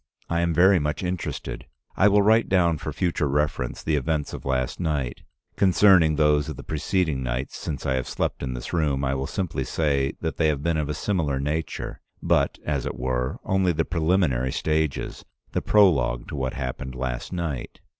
I am very much interested. I will write down for future reference the events of last night. Concerning those of the preceding nights since I have slept in this room, I will simply say that they have been of a similar nature, but, as it were, only the preliminary stages, the prologue to what happened last night.